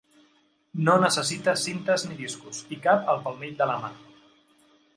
No necessita cintes ni discos i cap al palmell de la mà.